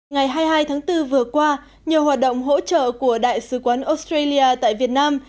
ngày hai mươi hai tháng bốn vừa qua nhờ hoạt động hỗ trợ của đại sứ quán australia tại việt nam